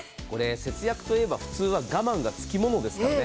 節約といえば、ふつう我慢がつきものですからね。